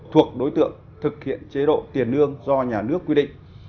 thuộc đối tượng thực hiện chế độ tiền lương do nhà nước quy định